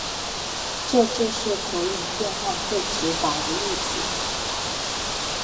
这就是投影变换最直白的例子。